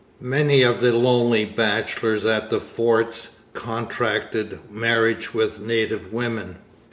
Many of the lonely bachelors at the forts contracted marriage with native women.